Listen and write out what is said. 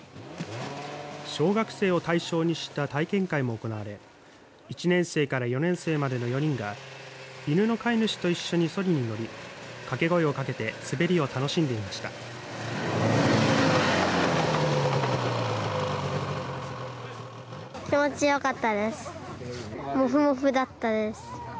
小学生を対象にした体験会も行われ１年生から４年生までの４人が犬の飼い主と一緒にそりに乗り掛け声をかけて滑りを楽しんでいました。